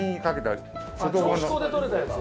あっ銚子港でとれたやつ？